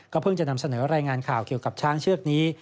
เพิ่งจะนำเสนอรายงานข่าวเกี่ยวกับช้างเชือกนี้